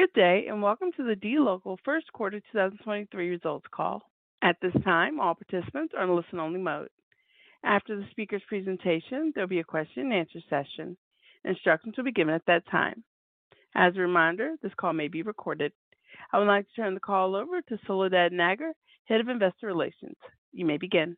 Good day. Welcome to the dLocal first quarter 2023 results call. At this time, all participants are in listen only mode. After the speaker's presentation, there'll be a question and answer session. Instructions will be given at that time. As a reminder, this call may be recorded. I would like to turn the call over to Soledad Nager, Head of Investor Relations. You may begin.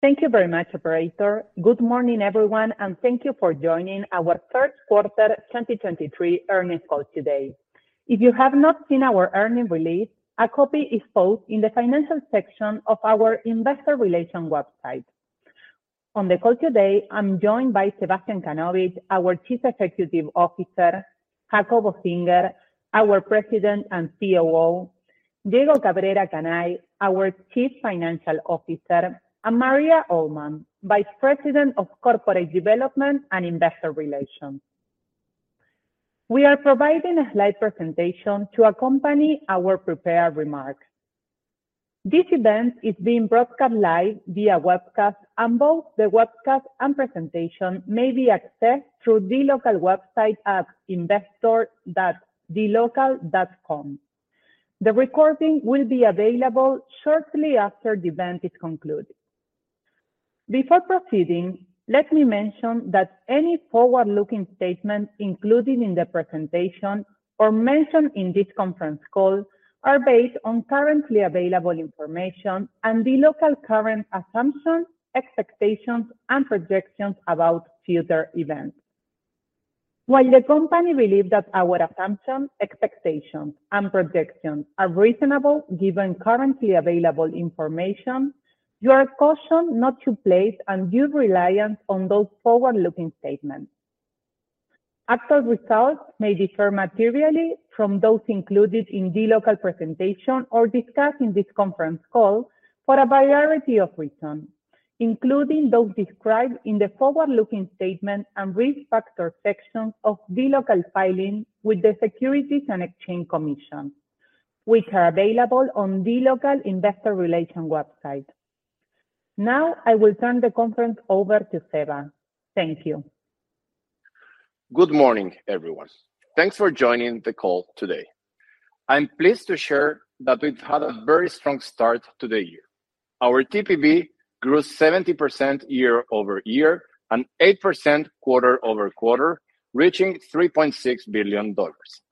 Thank you very much, operator. Good morning, everyone, and thank you for joining our third quarter 2023 earnings call today. If you have not seen our earnings release, a copy is posted in the financial section of our Investor Relations website. On the call today, I'm joined by Sebastián Kanovich, our Chief Executive Officer, Jacobo Singer, our President and COO, Diego Cabrera Canay, our Chief Financial Officer, and Maria Oldham, Vice President of Corporate Development and Investor Relations. We are providing a slide presentation to accompany our prepared remarks. This event is being broadcast live via webcast, and both the webcast and presentation may be accessed through dLocal website at investor.dlocal.com. The recording will be available shortly after the event is concluded. Before proceeding, let me mention that any forward-looking statements included in the presentation or mentioned in this conference call are based on currently available information and dLocal current assumptions, expectations, and projections about future events. While the company believe that our assumptions, expectations, and projections are reasonable given currently available information, you are cautioned not to place undue reliance on those forward-looking statements. Actual results may differ materially from those included in dLocal presentation or discussed in this conference call for a variety of reasons, including those described in the forward-looking statement and risk factor section of dLocal filing with the Securities and Exchange Commission, which are available on dLocal investor relation website. I will turn the conference over to Seba. Thank you. Good morning, everyone. Thanks for joining the call today. I'm pleased to share that we've had a very strong start to the year. Our TPV grew 70% year-over-year and 8% quarter-over-quarter, reaching $3.6 billion.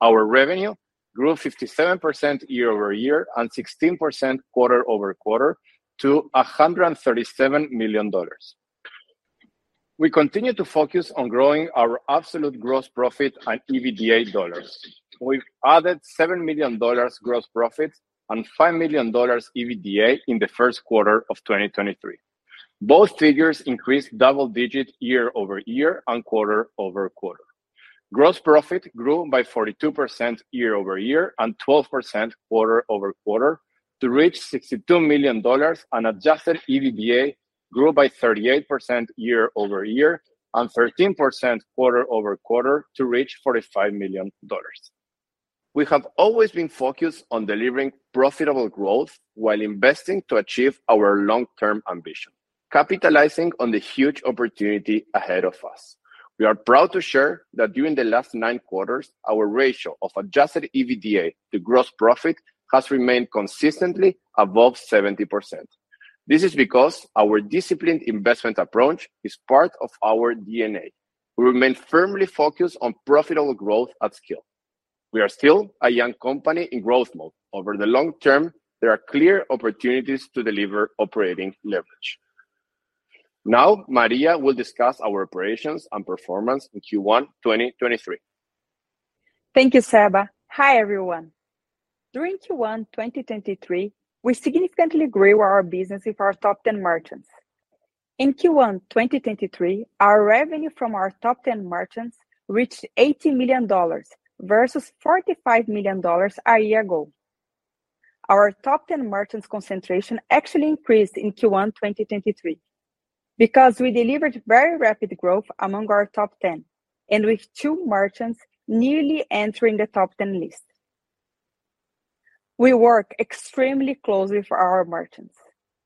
Our revenue grew 57% year-over-year and 16% quarter-over-quarter to $137 million. We continue to focus on growing our absolute Gross Profit and EBITDA dollars. We've added $7 million Gross Profit and $5 million EBITDA in the first quarter of 2023. Both figures increased double-digit year-over-year and quarter-over-quarter. Gross Profit grew by 42% year-over-year and 12% quarter-over-quarter to reach $62 million. Adjusted EBITDA grew by 38% year-over-year and 13% quarter-over-quarter to reach $45 million. We have always been focused on delivering profitable growth while investing to achieve our long-term ambition, capitalizing on the huge opportunity ahead of us. We are proud to share that during the last nine quarters, our ratio of adjusted EBITDA to gross profit has remained consistently above 70%. This is because our disciplined investment approach is part of our DNA. We remain firmly focused on profitable growth at scale. We are still a young company in growth mode. Over the long term, there are clear opportunities to deliver operating leverage. Now, Maria will discuss our operations and performance in Q1 2023. Thank you, Seba. Hi, everyone. During Q1, 2023, we significantly grew our business with our top 10 merchants. In Q1, 2023, our revenue from our top 10 merchants reached $80 million versus $45 million a year ago. Our top 10 merchants concentration actually increased in Q1, 2023 because we delivered very rapid growth among our top 10, and with two merchants nearly entering the top 10 list. We work extremely closely with our merchants.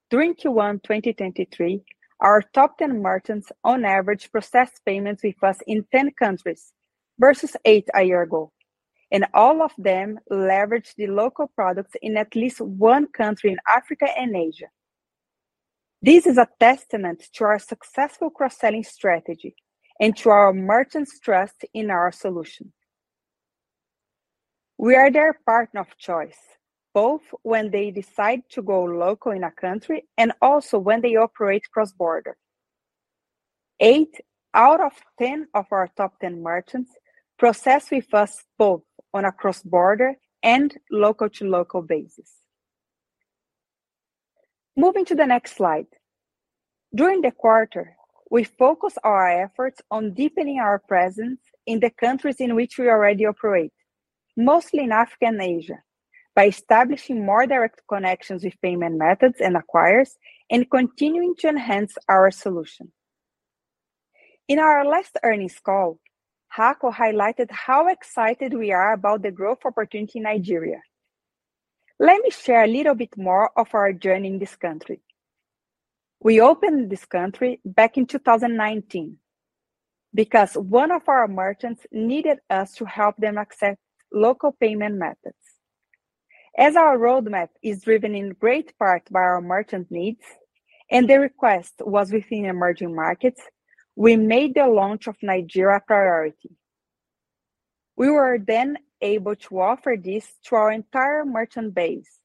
During Q1, 2023, our top 10 merchants on average processed payments with us in 10 countries versus eight a year ago. All of them leveraged dLocal products in at least one country in Africa and Asia. This is a testament to our successful cross-selling strategy and to our merchants' trust in our solution. We are their partner of choice, both when they decide to go local in a country and also when they operate cross-border. Eight out of 10 of our top 10 merchants process with us both on a cross-border and local-to-local basis. Moving to the next slide. During the quarter, we focused our efforts on deepening our presence in the countries in which we already operate, mostly in Africa and Asia, by establishing more direct connections with payment methods and acquirers and continuing to enhance our solution. In our last earnings call, Jaco highlighted how excited we are about the growth opportunity in Nigeria. Let me share a little bit more of our journey in this country. We opened this country back in 2019 because one of our merchants needed us to help them accept local payment methods. As our roadmap is driven in great part by our merchant needs and the request was within emerging markets, we made the launch of Nigeria a priority. We were then able to offer this to our entire merchant base.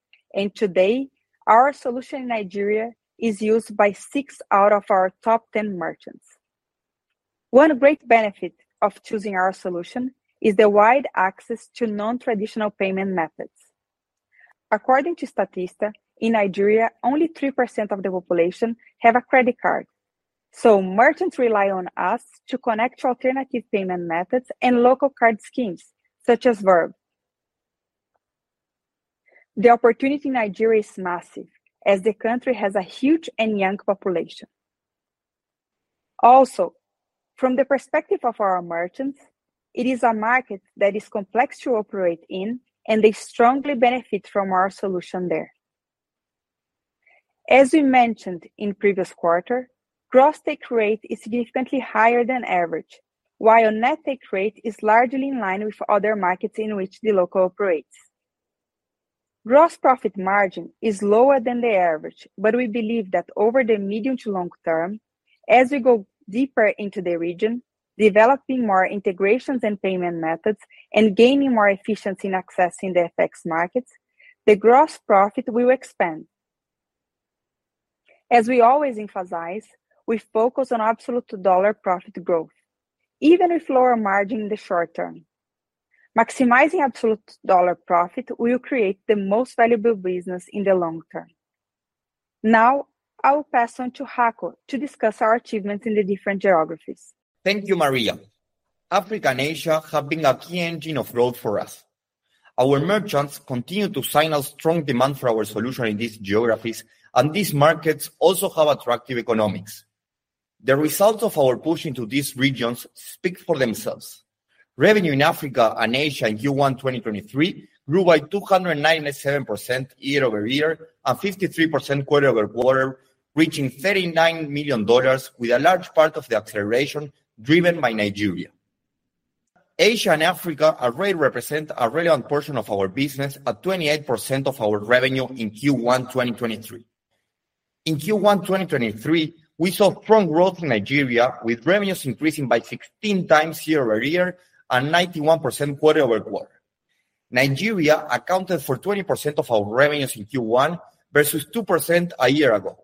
Today, our solution in Nigeria is used by 6 out of our top 10 merchants. One great benefit of choosing our solution is the wide access to non-traditional payment methods. According to Statista, in Nigeria, only 3% of the population have a credit card, so merchants rely on us to connect to alternative payment methods and local card schemes such as Verve. The opportunity in Nigeria is massive, as the country has a huge and young population. From the perspective of our merchants, it is a market that is complex to operate in, and they strongly benefit from our solution there. As we mentioned in previous quarter, gross take rate is significantly higher than average, while net take rate is largely in line with other markets in which dLocal operates. Gross profit margin is lower than the average. We believe that over the medium to long term, as we go deeper into the region, developing more integrations and payment methods and gaining more efficiency in accessing the FX markets, the gross profit will expand. As we always emphasize, we focus on absolute dollars profit growth, even with lower margin in the short term. Maximizing absolute dollar profit will create the most valuable business in the long term. Now I will pass on to Jaco to discuss our achievements in the different geographies. Thank you, Maria. Africa and Asia have been a key engine of growth for us. Our merchants continue to sign a strong demand for our solution in these geographies, and these markets also have attractive economics. The results of our push into these regions speak for themselves. Revenue in Africa and Asia in Q1 2023 grew by 297% year-over-year and 53% quarter-over-quarter, reaching $39 million with a large part of the acceleration driven by Nigeria. Asia and Africa already represent a relevant portion of our business at 28% of our revenue in Q1 2023. In Q1 2023, we saw strong growth in Nigeria, with revenues increasing by 16 times year-over-year and 91% quarter-over-quarter. Nigeria accounted for 20% of our revenues in Q1 versus 2% a year ago.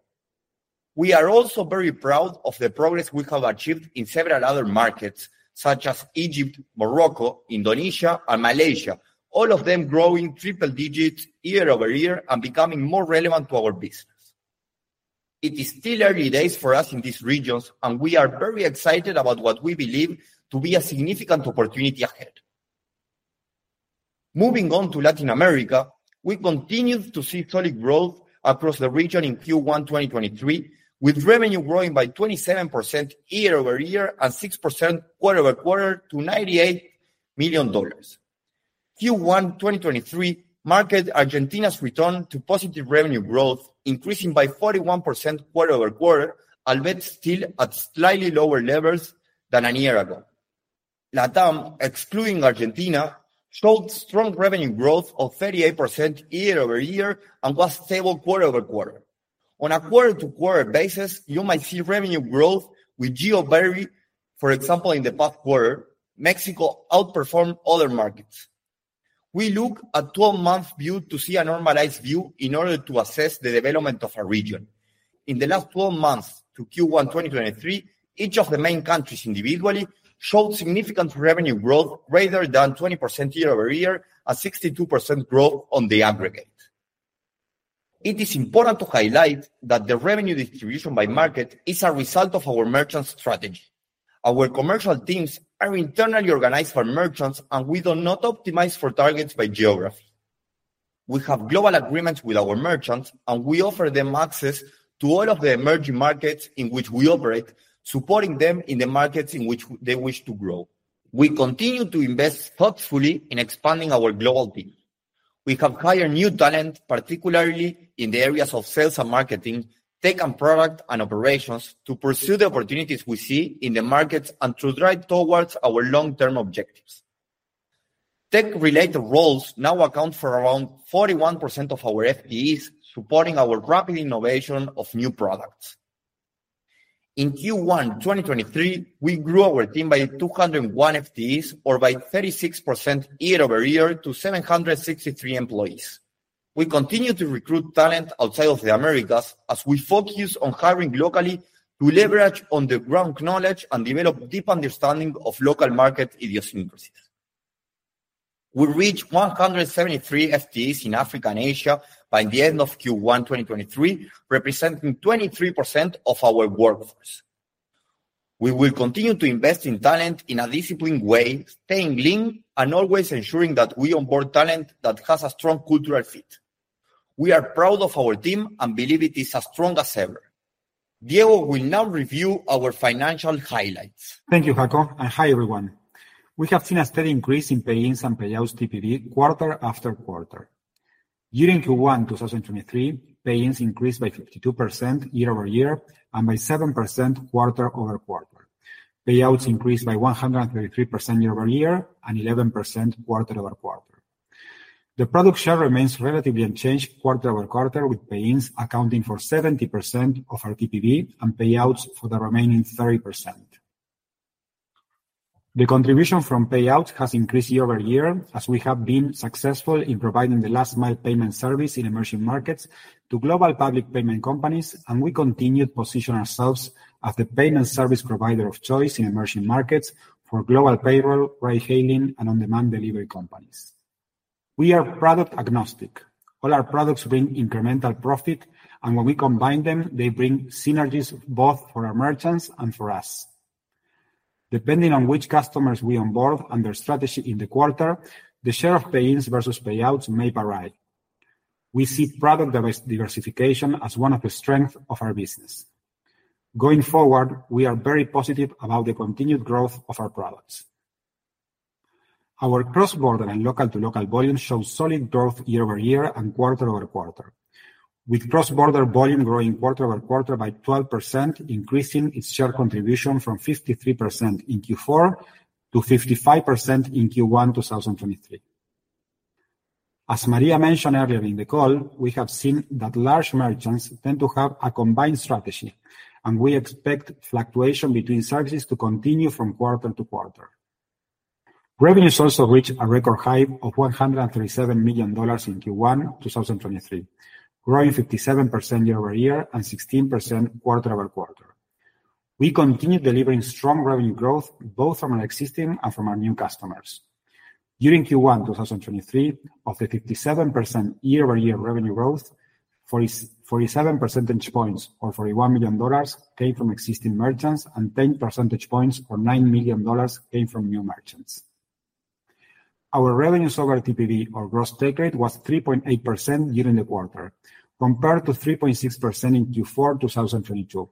We are also very proud of the progress we have achieved in several other markets such as Egypt, Morocco, Indonesia, and Malaysia, all of them growing triple digits year-over-year and becoming more relevant to our business. We are very excited about what we believe to be a significant opportunity ahead. Moving on to Latin America, we continued to see solid growth across the region in Q1 2023, with revenue growing by 27% year-over-year and 6% quarter-over-quarter to $98 million. Q1 2023 marked Argentina's return to positive revenue growth, increasing by 41% quarter-over-quarter, albeit still at slightly lower levels than a year ago. LATAM, excluding Argentina, showed strong revenue growth of 38% year-over-year and was stable quarter-over-quarter. On a quarter-to-quarter basis, you might see revenue growth with geo vary. For example, in the past quarter, Mexico outperformed other markets. We look a 12-month view to see a normalized view in order to assess the development of a region. In the last 12 months to Q1 2023, each of the main countries individually showed significant revenue growth greater than 20% year-over-year, a 62% growth on the aggregate. It is important to highlight that the revenue distribution by market is a result of our merchant strategy. Our commercial teams are internally organized for merchants, and we do not optimize for targets by geography. We have global agreements with our merchants, and we offer them access to all of the emerging markets in which we operate, supporting them in the markets in which they wish to grow. We continue to invest thoughtfully in expanding our global team. We have hired new talent, particularly in the areas of sales and marketing, tech and product, and operations to pursue the opportunities we see in the markets and to drive towards our long-term objectives. Tech-related roles now account for around 41% of our FTEs, supporting our rapid innovation of new products. In Q1 2023, we grew our team by 201 FTEs or by 36% year-over-year to 763 employees. We continue to recruit talent outside of the Americas as we focus on hiring locally to leverage on the ground knowledge and develop deep understanding of local market idiosyncrasies. We reached 173 FTEs in Africa and Asia by the end of Q1 2023, representing 23% of our workforce. We will continue to invest in talent in a disciplined way, staying lean, and always ensuring that we onboard talent that has a strong cultural fit. We are proud of our team and believe it is as strong as ever. Diego will now review our financial highlights. Thank you, Jacob, and hi everyone. We have seen a steady increase in pay-ins and payouts TPV quarter-over-quarter. During Q1 2023, pay-ins increased by 52% year-over-year and by 7% quarter-over-quarter. Payouts increased by 133% year-over-year and 11% quarter-over-quarter. The product share remains relatively unchanged quarter-over-quarter, with pay-ins accounting for 70% of our TPV and payouts for the remaining 30%. The contribution from payouts has increased year-over-year as we have been successful in providing the last mile payment service in emerging markets to global public payment companies, and we continue to position ourselves as the payment service provider of choice in emerging markets for global payroll, ride-hailing, and on-demand delivery companies. We are product agnostic. All our products bring incremental profit, and when we combine them, they bring synergies both for our merchants and for us. Depending on which customers we onboard and their strategy in the quarter, the share of pay-ins versus payouts may vary. We see product diversification as one of the strengths of our business. Going forward, we are very positive about the continued growth of our products. Our cross-border and local-to-local volume shows solid growth year-over-year and quarter-over-quarter, with cross-border volume growing quarter-over-quarter by 12%, increasing its share contribution from 53% in Q4 to 55% in Q1 2023. As Maria mentioned earlier in the call, we have seen that large merchants tend to have a combined strategy, and we expect fluctuation between services to continue from quarter-to-quarter. Revenues also reached a record high of $137 million in Q1 2023, growing 57% year-over-year and 16% quarter-over-quarter. We continue delivering strong revenue growth both from our existing and from our new customers. During Q1 2023, of the 57% year-over-year revenue growth, 47 percentage points or $41 million came from existing merchants and 10 percentage points or $9 million came from new merchants. Our revenue over TPV or gross take rate was 3.8% during the quarter compared to 3.6% in Q4 2022.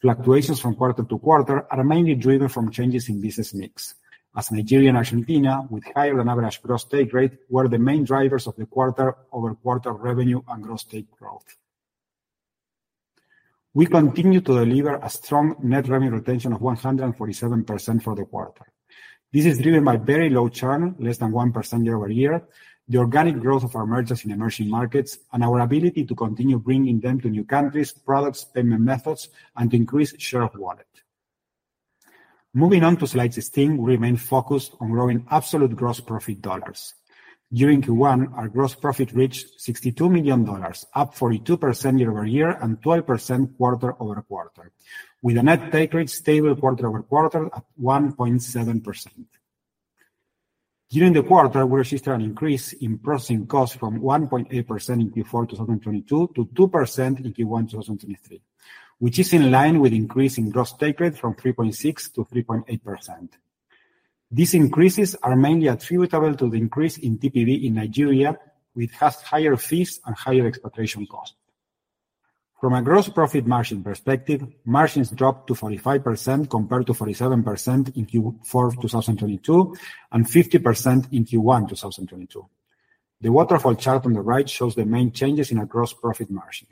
Fluctuations from quarter to quarter are mainly driven from changes in business mix as Nigeria and Argentina, with higher than average gross take rate, were the main drivers of the quarter-over-quarter revenue and gross take growth. We continue to deliver a strong net revenue retention of 147% for the quarter. This is driven by very low churn, less than 1% year-over-year, the organic growth of our merchants in emerging markets, and our ability to continue bringing them to new countries, products, payment methods, and to increase share of wallet. Moving on to slide 16, we remain focused on growing absolute Gross Profit dollars. During Q1, our Gross Profit reached $62 million, up 42% year-over-year and 12% quarter-over-quarter, with a net take rate stable quarter-over-quarter at 1.7%. During the quarter, we registered an increase in processing costs from 1.8% in Q4 2022 to 2% in Q1 2023, which is in line with increase in gross take rate from 3.6%-3.8%. These increases are mainly attributable to the increase in TPV in Nigeria, which has higher fees and higher expectation cost. From a gross profit margin perspective, margins dropped to 45% compared to 47% in Q4 2022 and 50% in Q1 2022. The waterfall chart on the right shows the main changes in our gross profit margin.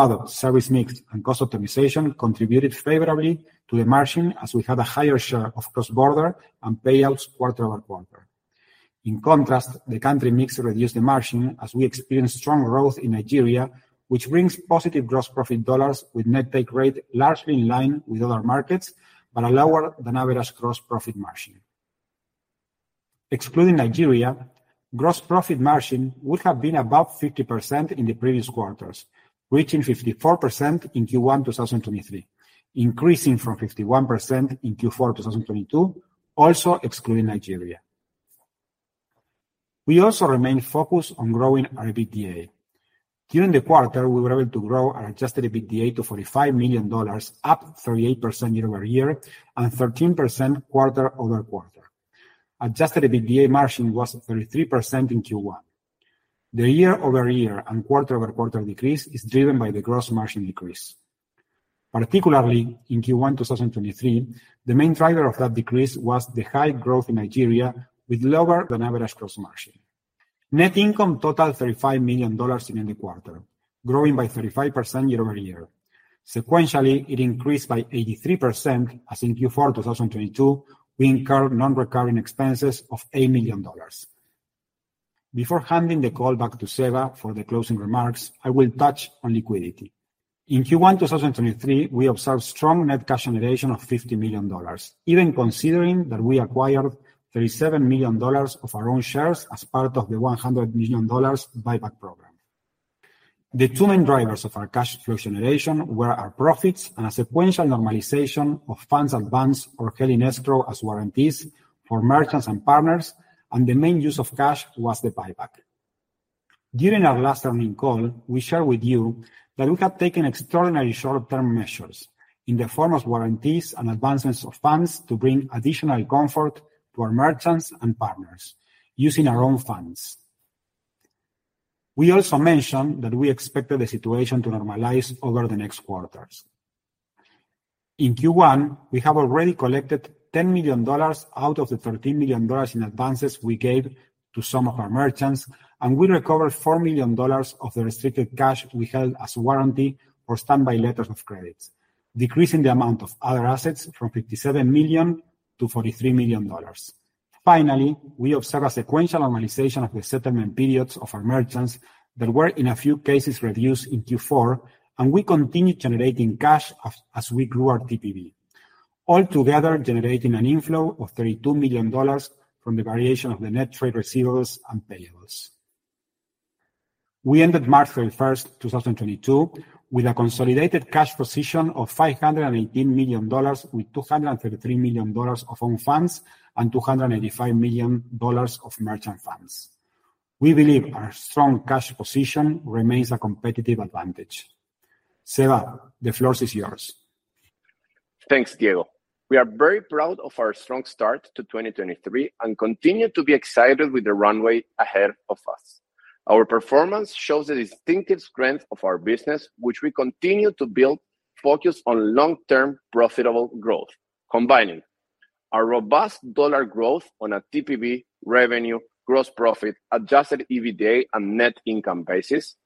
Products, service mix, and cost optimization contributed favorably to the margin as we had a higher share of cross-border and payouts quarter-over-quarter. The country mix reduced the margin as we experienced strong growth in Nigeria, which brings positive gross profit dollars with net take rate largely in line with other markets, but a lower-than-average gross profit margin. Excluding Nigeria, gross profit margin would have been above 50% in the previous quarters, reaching 54% in Q1 2023, increasing from 51% in Q4 2022, also excluding Nigeria. We also remain focused on growing our EBITDA. During the quarter, we were able to grow our adjusted EBITDA to $45 million, up 38% year-over-year and 13% quarter-over-quarter. Adjusted EBITDA margin was 33% in Q1. The year-over-year and quarter-over-quarter decrease is driven by the gross margin decrease. Particularly in Q1 2023, the main driver of that decrease was the high growth in Nigeria with lower than average gross margin. Net income totaled $35 million in the quarter, growing by 35% year-over-year. Sequentially, it increased by 83% as in Q4 2022, we incurred non-recurring expenses of $8 million. Before handing the call back to Seba for the closing remarks, I will touch on liquidity. In Q1 2023, we observed strong net cash generation of $50 million, even considering that we acquired $37 million of our own shares as part of the $100 million buyback program. The 2 main drivers of our cash flow generation were our profits and a sequential normalization of funds and bonds or held in escrow as warranties for merchants and partners. The main use of cash was the buyback. During our last earnings call, we shared with you that we have taken extraordinary short-term measures in the form of warranties and advancements of funds to bring additional comfort to our merchants and partners using our own funds. We also mentioned that we expected the situation to normalize over the next quarters. In Q1, we have already collected $10 million out of the $13 million in advances we gave to some of our merchants. We recovered $4 million of the restricted cash we held as warranty or standby letters of credits, decreasing the amount of other assets from $57 million to $43 million. Finally, we observe a sequential normalization of the settlement periods of our merchants that were, in a few cases, reduced in Q4, and we continue generating cash as we grew our TPV. Altogether, generating an inflow of $32 million from the variation of the net trade receivables and payables. We ended March 31st, 2022, with a consolidated cash position of $518 million, with $233 million of own funds and $285 million of merchant funds. We believe our strong cash position remains a competitive advantage. Seba, the floor is yours. Thanks, Diego. We are very proud of our strong start to 2023 and continue to be excited with the runway ahead of us. Our performance shows the distinctive strength of our business, which we continue to build, focused on long-term profitable growth, combining our robust dollar growth on a TPV revenue, gross profit, adjusted EBITDA, and net income basis.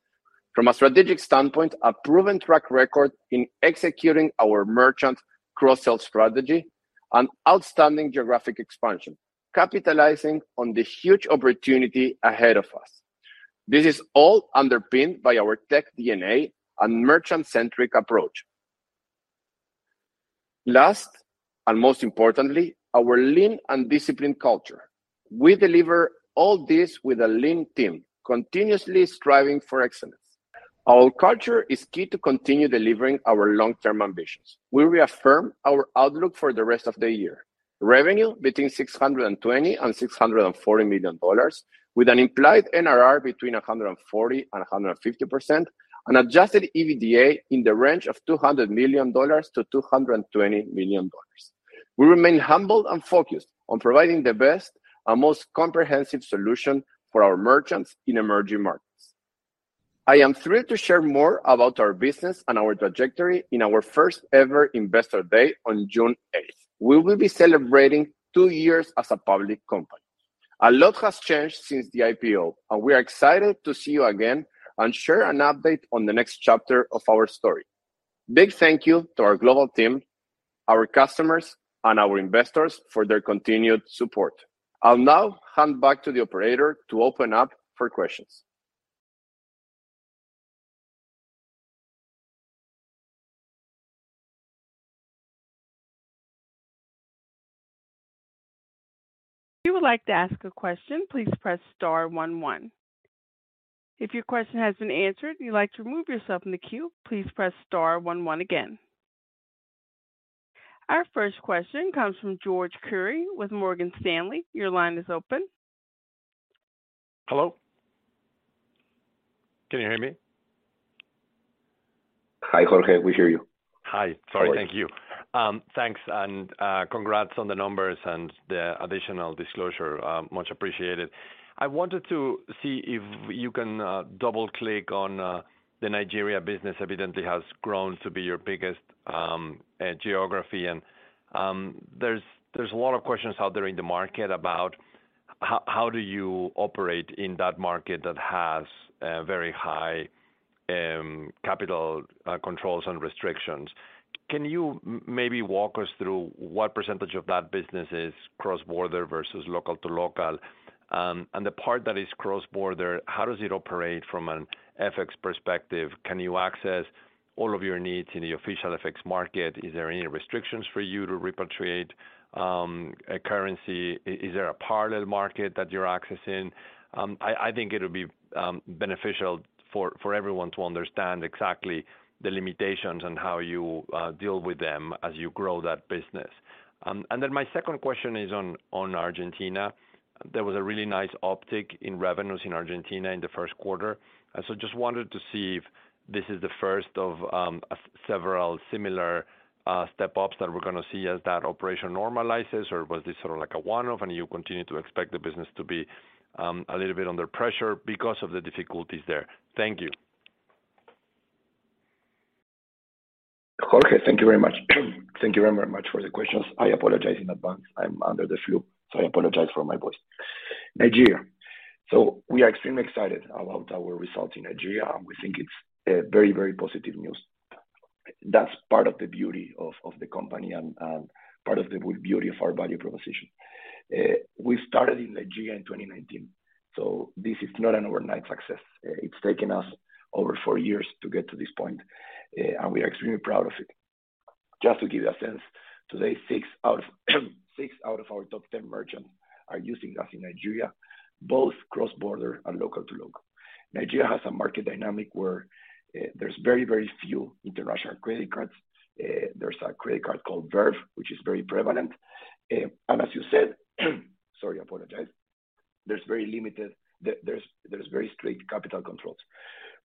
From a strategic standpoint, a proven track record in executing our merchant cross-sell strategy and outstanding geographic expansion, capitalizing on the huge opportunity ahead of us. This is all underpinned by our tech DNA and merchant-centric approach. Last, and most importantly, our lean and disciplined culture. We deliver all this with a lean team, continuously striving for excellence. Our culture is key to continue delivering our long-term ambitions. We reaffirm our outlook for the rest of the year. Revenue between $620 million and $640 million with an implied NRR between 140% and 150%. Adjusted EBITDA in the range of $200 million-$220 million. We remain humble and focused on providing the best and most comprehensive solution for our merchants in emerging markets. I am thrilled to share more about our business and our trajectory in our first ever Investor Day on June 8. We will be celebrating two years as a public company. A lot has changed since the IPO, and we are excited to see you again and share an update on the next chapter of our story. Big thank you to our global team, our customers, and our investors for their continued support. I'll now hand back to the operator to open up for questions. If you would like to ask a question, please press star one one. If your question has been answered and you'd like to remove yourself from the queue, please press star one one again. Our first question comes from Jorge Kuri with Morgan Stanley. Your line is open. Hello? Can you hear me? Hi, Jorge. We hear you. Hi. Sorry. Thank you. Thanks and congrats on the numbers and the additional disclosure, much appreciated. I wanted to see if you can double-click on the Nigeria business. Evidently has grown to be your biggest geography and there's a lot of questions out there in the market about how do you operate in that market that has very high capital controls and restrictions. Can you maybe walk us through what percentage of that business is cross-border versus local-to-local? The part that is cross-border, how does it operate from an FX perspective? Can you access all of your needs in the official FX market? Is there any restrictions for you to repatriate a currency? Is there a parallel market that you're accessing? I think it would be beneficial for everyone to understand exactly the limitations and how you deal with them as you grow that business. My second question is on Argentina. There was a really nice uptick in revenues in Argentina in the first quarter. Just wanted to see if this is the first of several similar step-ups that we're gonna see as that operation normalizes or was this sort of like a one-off and you continue to expect the business to be a little bit under pressure because of the difficulties there? Thank you. Jorge, thank you very much. Thank you very, very much for the questions. I apologize in advance, I'm under the flu, so I apologize for my voice. Nigeria. We are extremely excited about our results in Nigeria, and we think it's very, very positive news. That's part of the beauty of the company and part of the beauty of our value proposition. We started in Nigeria in 2019, so this is not an overnight success. It's taken us over four years to get to this point, and we are extremely proud of it. Just to give you a sense, today six out of our top 10 merchants are using us in Nigeria, both cross-border and local-to-local. Nigeria has a market dynamic where there's very, very few international credit cards. There's a credit card called Verve, which is very prevalent. As you said, sorry, I apologize. There's very limited. There's very strict capital controls.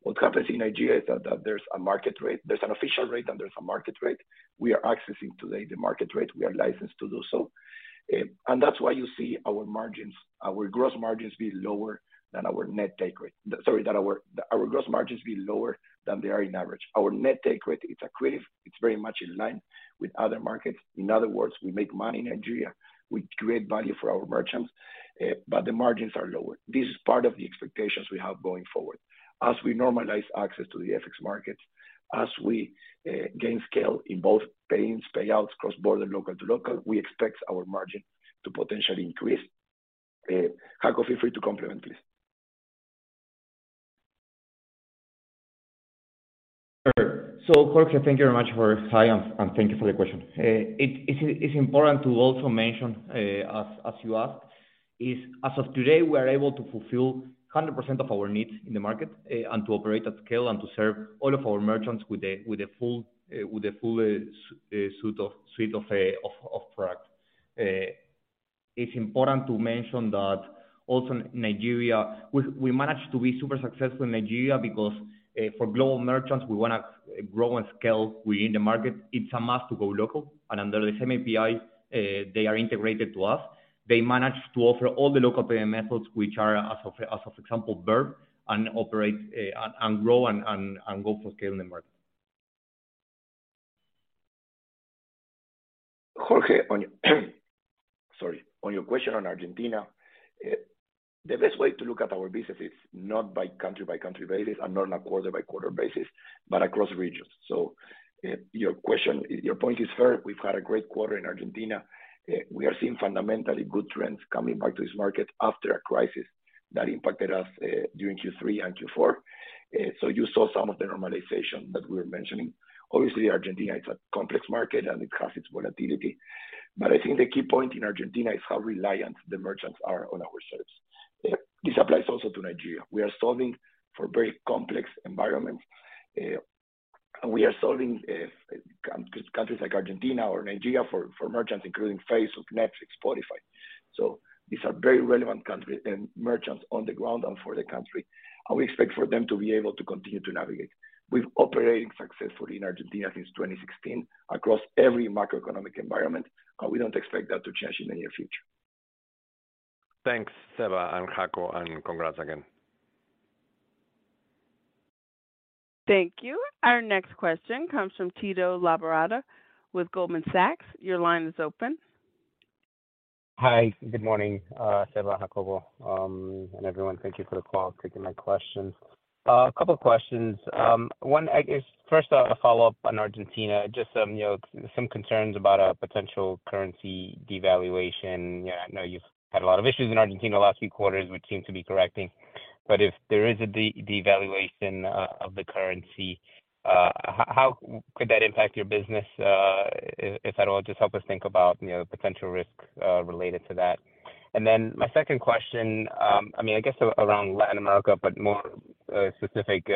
What happens in Nigeria is that there's a market rate. There's an official rate, and there's a market rate. We are accessing today the market rate, we are licensed to do so. That's why you see our margins, our gross margins be lower than our net take rate. Sorry, that our gross margins be lower than they are in average. Our net take rate, it's accretive, it's very much in line with other markets. In other words, we make money in Nigeria. We create value for our merchants, but the margins are lower. This is part of the expectations we have going forward. As we normalize access to the FX markets, as we gain scale in both payments, payouts, cross-border, local to local, we expect our margin to potentially increase. Jacobo, feel free to complement, please. Sure. Jorge, thank you very much for saying, and thank you for the question. It's important to also mention, as you asked, is as of today, we are able to fulfill 100% of our needs in the market, and to operate at scale and to serve all of our merchants with a full suite of products. It's important to mention that also Nigeria. We managed to be super successful in Nigeria because, for global merchants, we wanna grow and scale within the market. It's a must to go local. Under the same API, they are integrated to us. They managed to offer all the local payment methods which are as of example, Verve, and operate, and grow and go for scale in the market. Jorge, Sorry. On your question on Argentina, the best way to look at our business is not by country-by-country basis and not on a quarter-by-quarter basis, but across regions. Your question, your point is fair. We've had a great quarter in Argentina. We are seeing fundamentally good trends coming back to this market after a crisis that impacted us during Q3 and Q4. You saw some of the normalization that we're mentioning. Obviously, Argentina is a complex market, and it has its volatility. I think the key point in Argentina is how reliant the merchants are on our service. This applies also to Nigeria. We are solving for very complex environments. We are solving, countries like Argentina or Nigeria for merchants including Facebook, Netflix, Spotify. These are very relevant countries and merchants on the ground and for the country, and we expect for them to be able to continue to navigate. We've operated successfully in Argentina since 2016 across every macroeconomic environment, and we don't expect that to change in the near future. Thanks, Seba and Jacobo, and congrats again. Thank you. Our next question comes from Tito Labarta with Goldman Sachs. Your line is open. Hi. Good morning, Seba and Jacobo, and everyone. Thank you for the call, taking my question. A couple of questions. One, I guess first a follow-up on Argentina. Just, you know, some concerns about a potential currency devaluation. I know you've had a lot of issues in Argentina the last few quarters, which seem to be correcting. If there is a devaluation of the currency, how could that impact your business, if at all? Just help us think about, you know, potential risk related to that. My second question, I mean, I guess around Latin America, but more specific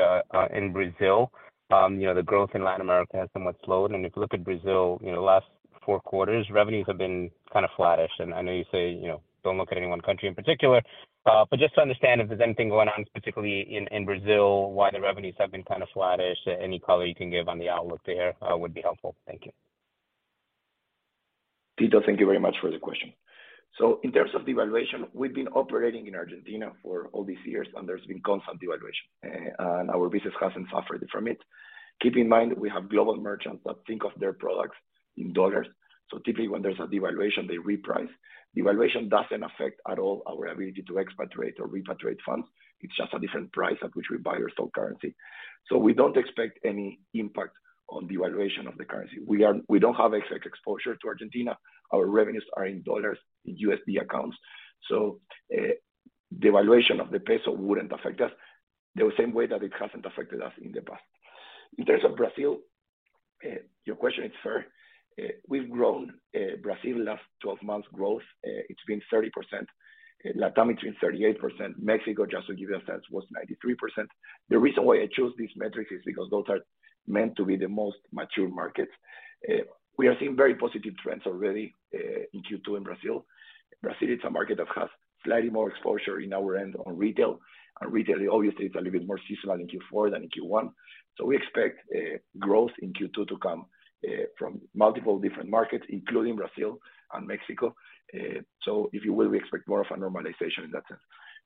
in Brazil. You know, the growth in Latin America has somewhat slowed. If you look at Brazil, you know, the last four quarters, revenues have been kind of flattish. I know you say, you know, don't look at any one country in particular, just to understand if there's anything going on, particularly in Brazil, why the revenues have been kind of flattish. Any color you can give on the outlook there, would be helpful. Thank you. Tito, thank you very much for the question. In terms of devaluation, we've been operating in Argentina for all these years, and there's been constant devaluation, and our business hasn't suffered from it. Keep in mind that we have global merchants that think of their products in dollars. Typically when there's a devaluation, they reprice. Devaluation doesn't affect at all our ability to expatriate or repatriate funds. It's just a different price at which we buy or sell currency. We don't expect any impact on devaluation of the currency. We don't have exact exposure to Argentina. Our revenues are in dollars, in U.S.D accounts. devaluation of the peso wouldn't affect us the same way that it hasn't affected us in the past. In terms of Brazil, your question is fair. We've grown. Brazil last 12 months growth, it's been 30%. Latin America has been 38%. Mexico, just to give you a sense, was 93%. The reason why I chose these metrics is because those are meant to be the most mature markets. We are seeing very positive trends already in Q2 in Brazil. Brazil, it's a market that has slightly more exposure in our end on retail. Retail obviously is a little bit more seasonal in Q4 than in Q1. We expect growth in Q2 to come from multiple different markets, including Brazil and Mexico. If you will, we expect more of a normalization in that sense.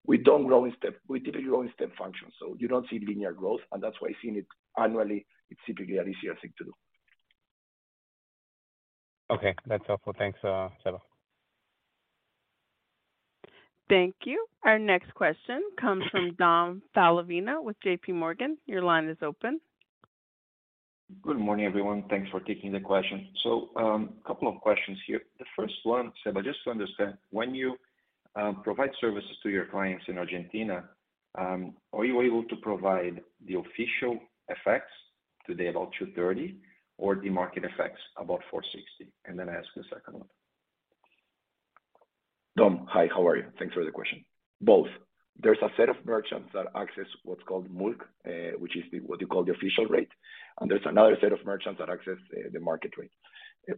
We don't grow in step. We typically grow in step functions, so you don't see linear growth, and that's why seeing it annually, it's typically an easier thing to do. Okay, that's helpful. Thanks, Seba. Thank you. Our next question comes from Domingos Falavina with J.P. Morgan. Your line is open. Good morning, everyone. Thanks for taking the question. Couple of questions here. The first one, Seba, just to understand, when you provide services to your clients in Argentina, are you able to provide the official FX today about 230 or the market FX about 460? I ask the second one. Dom, hi, how are you? Thanks for the question. Both. There's a set of merchants that access what's called MULC, which is the, what you call the official rate. There's another set of merchants that access the market rate.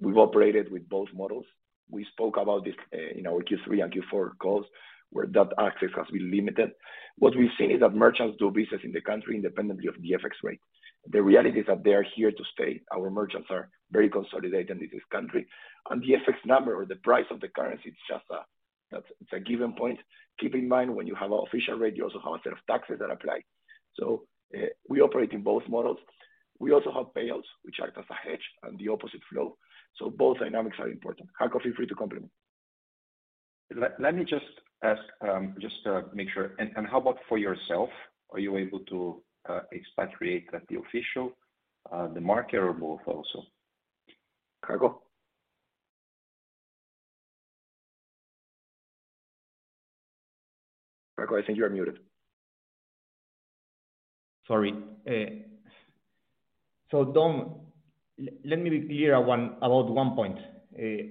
We've operated with both models. We spoke about this in our Q3 and Q4 calls, where that access has been limited. What we've seen is that merchants do business in the country independently of the FX rate. The reality is that they are here to stay. Our merchants are very consolidated in this country, and the FX number or the price of the currency is just it's a given point. Keep in mind, when you have official rate, you also have a set of taxes that apply. We operate in both models. We also have payouts, which act as a hedge on the opposite flow. Both dynamics are important. Paco, feel free to complement. Let me just ask, just to make sure. How about for yourself, are you able to expatriate at the official, the market or both also? Jacobo? jacobo, I think you're muted. Sorry. Dom, let me be clear on one point.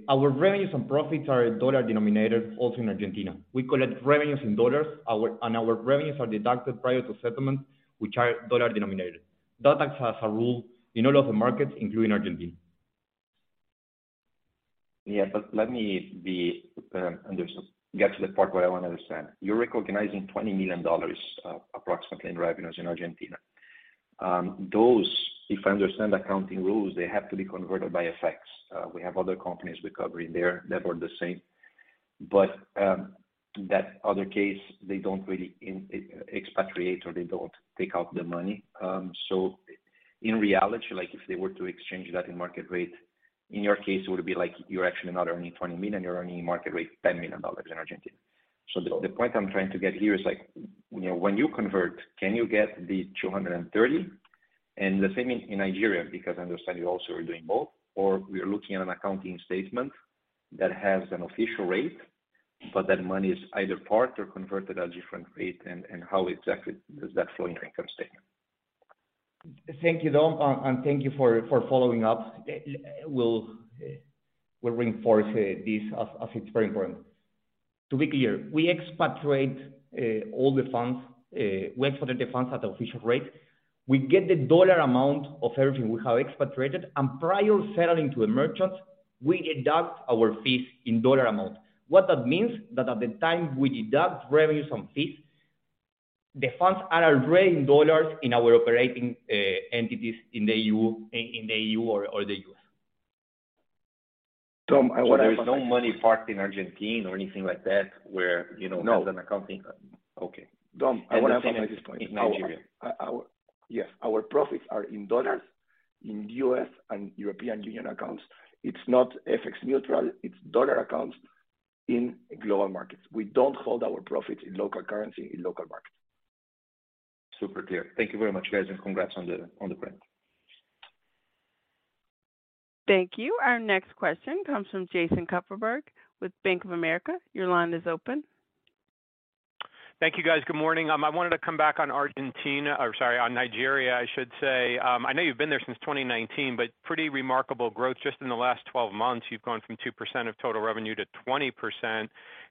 Our revenues and profits are dollar denominated also in Argentina. We collect revenues in dollars. Our revenues are deducted prior to settlement, which are dollar denominated. That acts as a rule in all of the markets, including Argentina. Yeah. Let me get to the part where I want to understand. You're recognizing $20 million, approximately in revenues in Argentina. Those, if I understand the accounting rules, they have to be converted by effects. We have other companies we cover in there that were the same. That other case, they don't really expatriate or they don't take out the money. In reality, like, if they were to exchange that in market rate, in your case, it would be like you're actually not earning $20 million, you're earning market rate $10 million in Argentina. The point I'm trying to get here is like, you know, when you convert, can you get the 230? The same in Nigeria, because I understand you also are doing both, or we are looking at an accounting statement that has an official rate, but that money is either parked or converted at a different rate and, how exactly does that show in your income statement? Thank you, Dom. Thank you for following up. We'll reinforce this as it's very important. To be clear, we expatriate all the funds. We expatriate the funds at official rate. We get the dollar amount of everything we have expatriated. Prior settling to a merchant, we deduct our fees in dollar amount. What that means, that at the time we deduct revenues from fees, the funds are already in dollars in our operating entities in the EU or the U.S.. Dom, I wanna- There is no money parked in Argentina or anything like that where, you know... No. Okay. Dom, I wanna comment. The same at this point in Nigeria. Our. Yes. Our profits are in dollars in U.S. and European Union accounts. It's not FX neutral, it's dollars accounts in global markets. We don't hold our profits in local currency, in local markets. Super clear. Thank you very much, guys, and congrats on the brand. Thank you. Our next question comes from Jason Kupferberg with Bank of America. Your line is open. Thank you, guys. Good morning. I wanted to come back on Argentina or sorry, on Nigeria, I should say. I know you've been there since 2019, but pretty remarkable growth. Just in the last 12 months, you've gone from 2% of total revenue to 20%.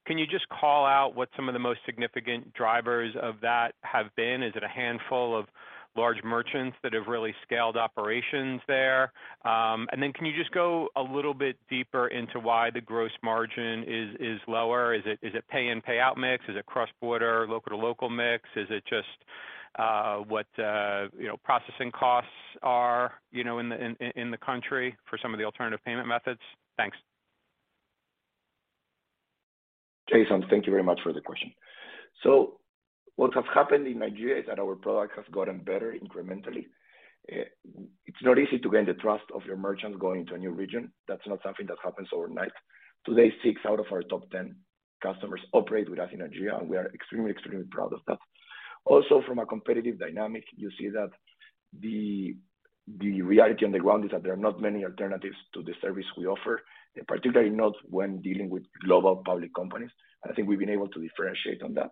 Can you just call out what some of the most significant drivers of that have been? Is it a handful of large merchants that have really scaled operations there? Then can you just go a little bit deeper into why the gross margin is lower? Is it pay in/pay out mix? Is it cross-border local-to-local mix? Is it just, you know, processing costs are, you know, in the country for some of the alternative payment methods? Thanks. Jason, thank you very much for the question. What has happened in Nigeria is that our product has gotten better incrementally. It's not easy to gain the trust of your merchants going into a new region. That's not something that happens overnight. Today, 6 out of our top 10 customers operate with us in Nigeria, and we are extremely proud of that. Also from a competitive dynamic, you see that the reality on the ground is that there are not many alternatives to the service we offer, particularly not when dealing with global public companies. I think we've been able to differentiate on that.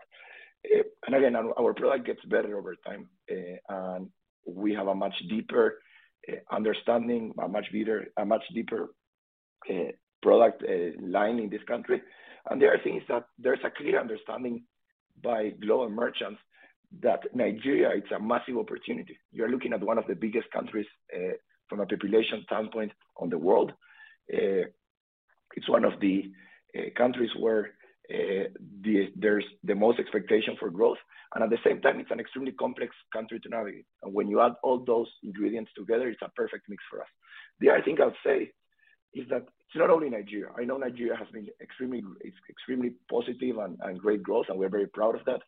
Again, our product gets better over time, and we have a much deeper understanding, a much deeper product line in this country. There are things that there's a clear understanding by global merchants that Nigeria is a massive opportunity. You're looking at one of the biggest countries from a population standpoint on the world. It's one of the countries where there's the most expectation for growth, and at the same time, it's an extremely complex country to navigate. When you add all those ingredients together, it's a perfect mix for us. The other thing I'll say is that it's not only Nigeria. I know Nigeria has been extremely positive and great growth, and we're very proud of that.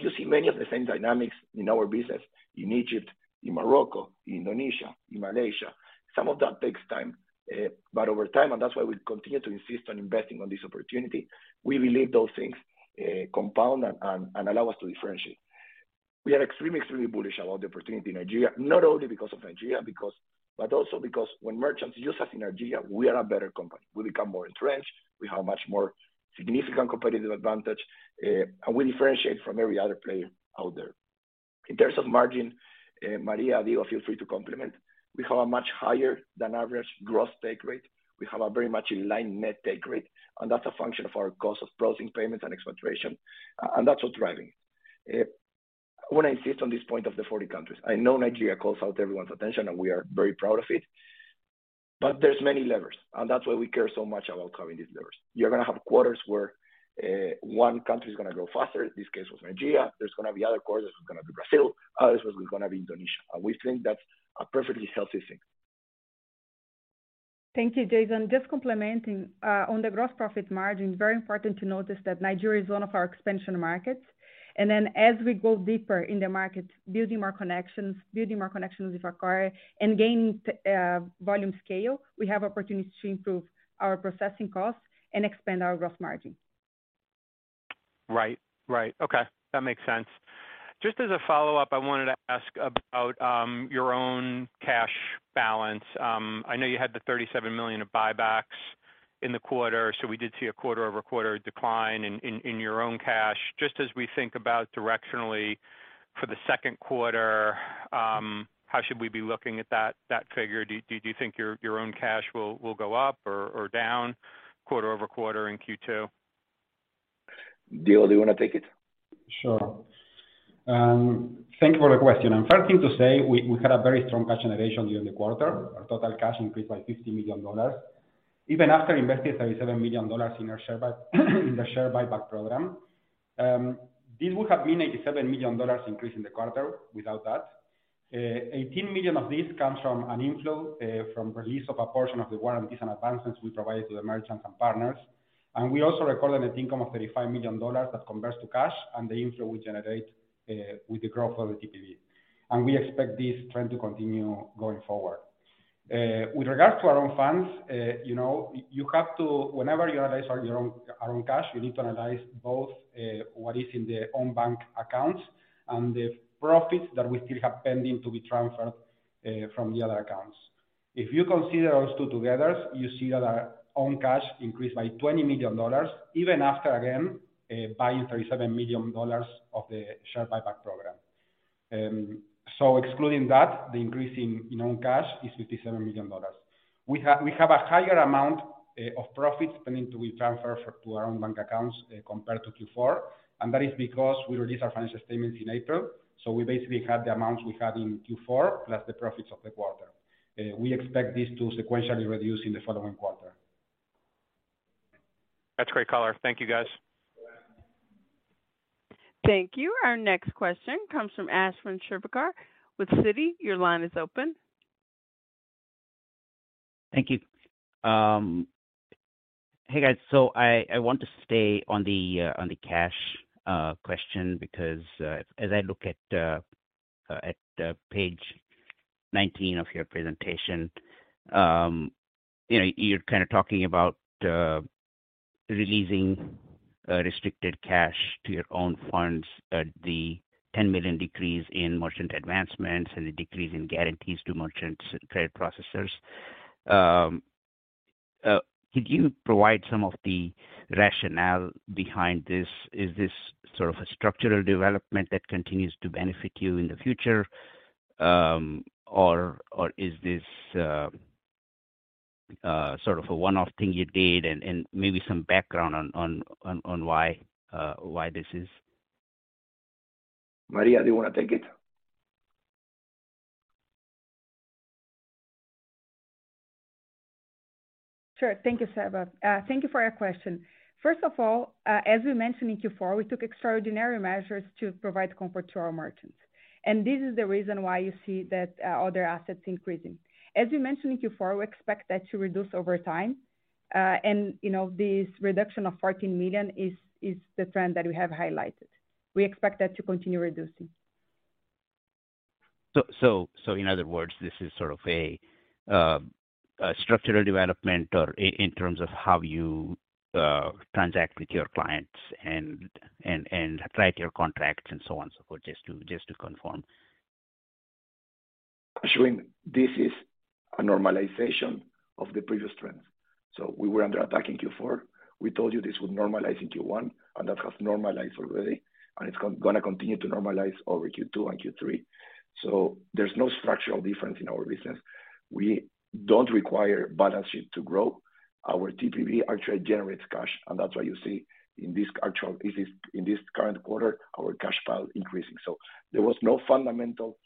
You see many of the same dynamics in our business in Egypt, in Morocco, Indonesia, in Malaysia. Some of that takes time, but over time, and that's why we continue to insist on investing on this opportunity. We believe those things compound and allow us to differentiate. We are extremely bullish about the opportunity in Nigeria. Not only because of Nigeria, but also because when merchants use us in Nigeria, we are a better company. We become more entrenched. We have much more significant competitive advantage, and we differentiate from every other player out there. In terms of margin, Maria, Diego, feel free to complement. We have a much higher than average gross take rate. We have a very much in line net take rate, and that's a function of our cost of processing payments and expatriation, and that's what's driving. I want to insist on this point of the 40 countries. I know Nigeria calls out everyone's attention, and we are very proud of it, but there's many levers, and that's why we care so much about covering these levers. You're gonna have quarters where one country is gonna grow faster. This case was Nigeria. There's gonna be other quarters, it's gonna be Brazil. Others, it was gonna be Indonesia. We think that's a perfectly healthy thing. Thank you, Jason. Just complementing on the gross profit margin, very important to notice that Nigeria is one of our expansion markets. As we go deeper in the market, building more connections with our car and gain volume scale, we have opportunities to improve our processing costs and expand our gross margin. Right. Right. Okay, that makes sense. Just as a follow-up, I wanted to ask about your own cash balance. I know you had the $37 million of buybacks in the quarter, we did see a quarter-over-quarter decline in your own cash. Just as we think about directionally for the second quarter, how should we be looking at that figure? Do you think your own cash will go up or down quarter-over-quarter in Q2? Diego, do you wanna take it? Sure. Thank you for the question. First thing to say, we had a very strong cash generation during the quarter. Our total cash increased by $50 million, even after investing $37 million in the share buyback program. This would have been $87 million increase in the quarter without that. $18 million of this comes from an inflow from release of a portion of the warranties and advancements we provided to the merchants and partners. We also recorded a net income of $35 million that converts to cash and the inflow we generate with the growth of the TPV. We expect this trend to continue going forward. With regards to our own funds, you know, you have to whenever you analyze our own cash, you need to analyze both what is in their own bank accounts and the profits that we still have pending to be transferred from the other accounts. If you consider those two together, you see that our own cash increased by $20 million, even after, again, buying $37 million of the share buyback program. Excluding that, the increase in own cash is $57 million. We have a higher amount of profits pending to be transferred to our own bank accounts compared to Q4, that is because we release our financial statements in April, we basically had the amounts we had in Q4, plus the profits of the quarter. We expect this to sequentially reduce in the following quarter. That's great color. Thank you, guys. Thank you. Our next question comes from Ashwin Shirvaikar with Citi. Your line is open. Thank you. Hey, guys. I want to stay on the cash question because as I look at page 19 of your presentation, you know, you're kinda talking about releasing restricted cash to your own funds at the $10 million decrease in merchant advancements and the decrease in guarantees to merchants credit processors. Could you provide some of the rationale behind this? Is this sort of a structural development that continues to benefit you in the future, or is this sort of a one-off thing you did? Maybe some background on why this is. Maria, do you wanna take it? Sure. Thank you, Ashwin. Thank you for your question. First of all, as we mentioned in Q4, we took extraordinary measures to provide comfort to our merchants. This is the reason why you see that other assets increasing. As we mentioned in Q4, we expect that to reduce over time. You know, this reduction of $14 million is the trend that we have highlighted. We expect that to continue reducing. In other words, this is sort of a structural development or in terms of how you transact with your clients and write your contracts and so on, so forth, just to confirm. Ashwin, this is a normalization of the previous trends. We were under attack in Q4. We told you this would normalize in Q1, and that has normalized already, and it's gonna continue to normalize over Q2 and Q3. There's no structural difference in our business. We don't require balance sheet to grow. Our TPV actually generates cash, and that's why you see in this current quarter, our cash flow increasing. There was no fundamental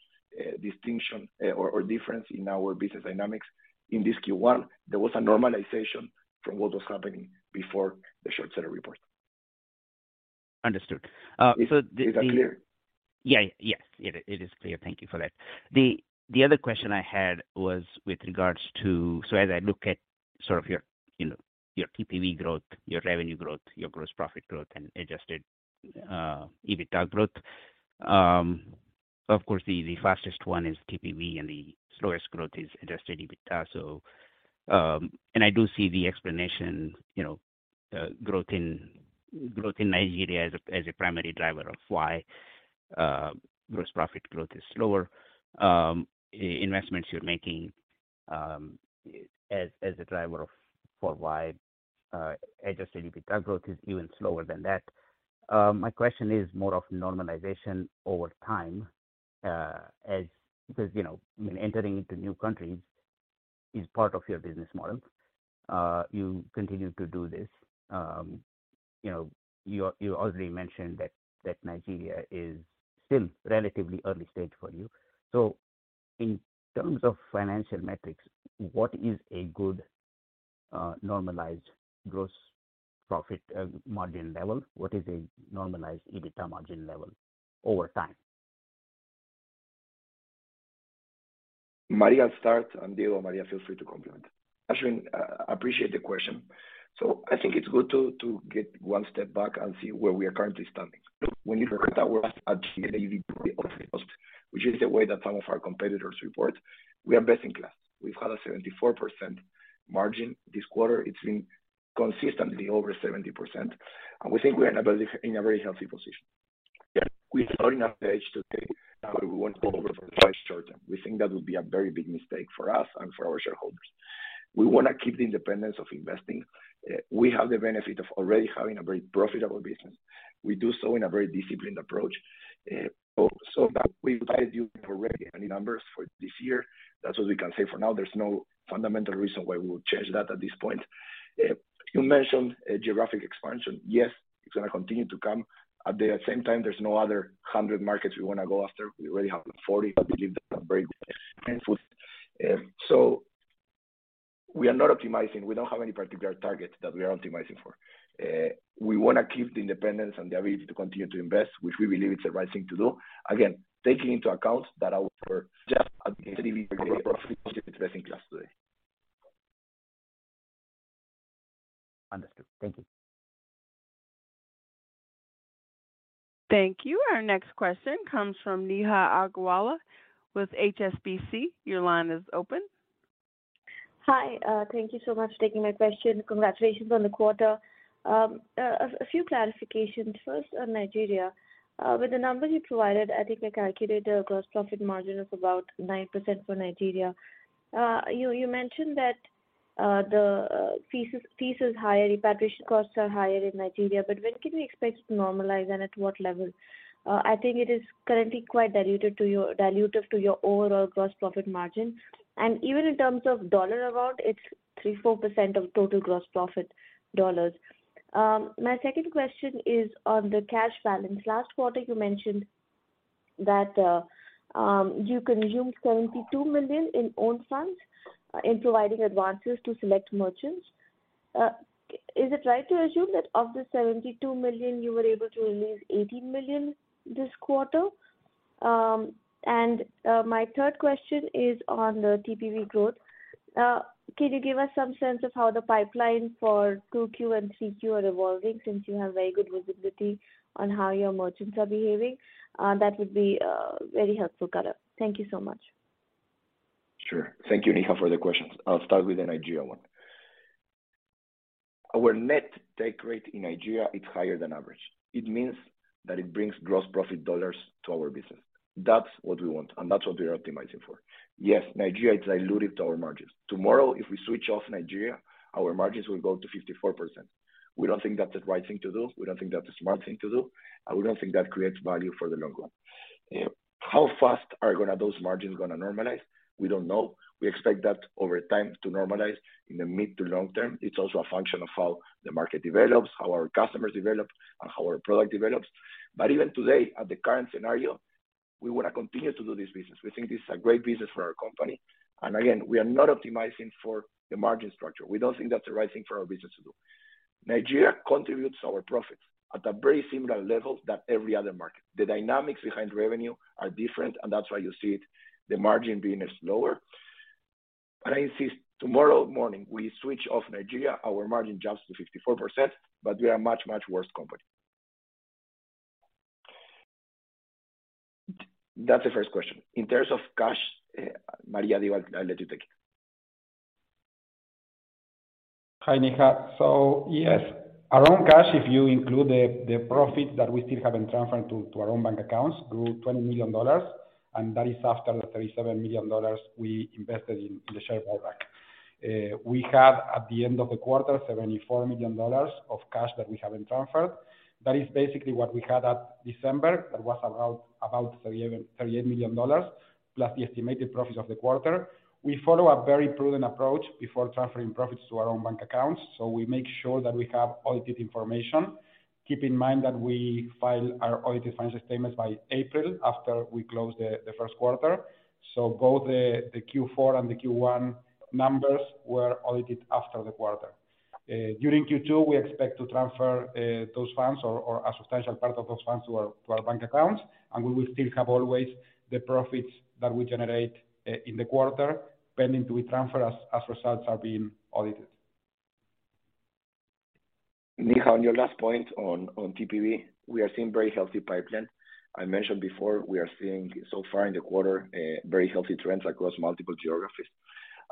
distinction or difference in our business dynamics in this Q1. There was a normalization from what was happening before the short seller report. Understood. Is that clear? Yeah. Yes, it is clear. Thank you for that. The other question I had was with regards to... As I look at sort of your, you know, your TPV growth, your revenue growth, your gross profit growth and adjusted EBITDA growth, of course, the fastest one is TPV, and the slowest growth is adjusted EBITDA. I do see the explanation, you know, growth in Nigeria as a primary driver of why gross profit growth is slower, investments you're making, as a driver of for why adjusted EBITDA growth is even slower than that. My question is more of normalization over time, as because, you know, when entering into new countries. Is part of your business model, you continue to do this? You know, you already mentioned that Nigeria is still relatively early stage for you. In terms of financial metrics, what is a good normalized gross profit margin level? What is a normalized EBITDA margin level over time? Maria will start, and Diego or Maria feel free to complement. Ashwin, I appreciate the question. I think it's good to get one step back and see where we are currently standing. When you look at where we are at GP which is the way that some of our competitors report, we are best in class. We've had a 74% margin this quarter. It's been consistently over 70%, and we think we are in a very healthy position. We are in a page today that we want to go over for the short term. We think that would be a very big mistake for us and for our shareholders. We wanna keep the independence of investing. We have the benefit of already having a very profitable business. We do so in a very disciplined approach. That we've guided you already on the numbers for this year. That's what we can say for now. There's no fundamental reason why we would change that at this point. You mentioned a geographic expansion. Yes, it's gonna continue to come. At the same time, there's no other 100 markets we wanna go after. We already have 40. I believe that's a very handful. We are not optimizing. We don't have any particular targets that we are optimizing for. We wanna keep the independence and the ability to continue to invest, which we believe is the right thing to do. Again, taking into account that our TPV profit is best in class today. Understood. Thank you. Thank you. Our next question comes from Neha Agarwala with HSBC. Your line is open. Hi. Thank you so much for taking my question. Congratulations on the quarter. A few clarifications. First, on Nigeria. With the numbers you provided, I think I calculated the gross profit margin of about 9% for Nigeria. You mentioned that the fees is higher, repatriation costs are higher in Nigeria, but when can we expect it to normalize and at what level? I think it is currently quite dilutive to your overall gross profit margin. Even in terms of dollar amount, it's 3%-4% of total gross profit dollars. My second question is on the cash balance. Last quarter, you mentioned that you consumed $72 million in own funds in providing advances to select merchants. Is it right to assume that of the $72 million, you were able to release $80 million this quarter? My third question is on the TPV growth. Can you give us some sense of how the pipeline for 2Q and 3Q are evolving since you have very good visibility on how your merchants are behaving? That would be very helpful, color. Thank you so much. Sure. Thank you, Neha, for the questions. I'll start with the Nigeria one. Our net take rate in Nigeria is higher than average. It means that it brings gross profit dollars to our business. That's what we want, and that's what we're optimizing for. Yes, Nigeria is dilutive to our margins. Tomorrow, if we switch off Nigeria, our margins will go to 54%. We don't think that's the right thing to do. We don't think that's a smart thing to do, and we don't think that creates value for the long run. How fast those margins gonna normalize? We don't know. We expect that over time to normalize in the mid to long term. It's also a function of how the market develops, how our customers develop, and how our product develops. Even today, at the current scenario, we wanna continue to do this business. We think this is a great business for our company. Again, we are not optimizing for the margin structure. We don't think that's the right thing for our business to do. Nigeria contributes to our profits at a very similar level that every other market. The dynamics behind revenue are different, and that's why you see it, the margin being slower. I insist, tomorrow morning, we switch off Nigeria, our margin jumps to 54%, but we are a much, much worse company. That's the first question. In terms of cash, Maria, Diego, I'll let you take it. Hi, Neha. Yes, our own cash, if you include the profit that we still haven't transferred to our own bank accounts, grew $20 million. That is after the $37 million we invested in the share buyback. We have at the end of the quarter $74 million of cash that we haven't transferred. That is basically what we had at December. That was around about $38 million, plus the estimated profits of the quarter. We follow a very prudent approach before transferring profits to our own bank accounts. We make sure that we have audited information. Keep in mind that we file our audited financial statements by April after we close the first quarter. Both the Q4 and the Q1 numbers were audited after the quarter. During Q2, we expect to transfer those funds or a substantial part of those funds to our bank accounts. We will still have always the profits that we generate in the quarter pending to be transferred as results are being audited. Neha, on your last point on TPV, we are seeing very healthy pipeline. I mentioned before, we are seeing so far in the quarter, very healthy trends across multiple geographies.